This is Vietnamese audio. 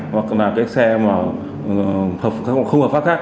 hoặc là xe không hợp pháp khác